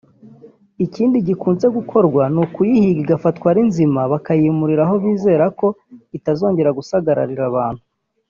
Ikindi gikunze gukorwa ni ukuyihiga igafatwa ari nzima bakayimura aho bizera ko itazongera gusagarira abantu